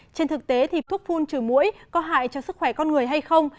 trên thực tế thì thuốc phun trừ mũi có hại cho sức khỏe con người hay không